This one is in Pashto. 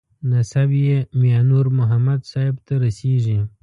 نسب یې میانور محمد صاحب ته رسېږي.